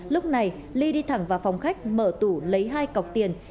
lúc này ly đi thẳng vào phòng khách mở tủ lấy hai cọc tiền